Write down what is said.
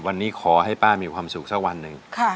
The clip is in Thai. วันนี้ขอให้ป้ามีความสุขสักวันหนึ่ง